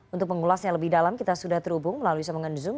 untuk pengulasnya lebih dalam kita sudah terhubung melalui sambungan zoom